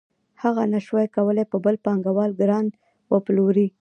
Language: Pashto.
هغه نشوای کولی په بل پانګوال ګران وپلوري